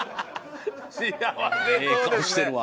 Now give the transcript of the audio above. ええ顔してるわ。